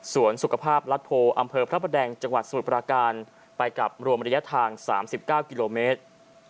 สวนสุขภาพลัทธ์โพลอำเภอพระบระแดงจังหวัดสมุทประการไปกับรวมระยะทางสามสิบเก้ากิโลเมตร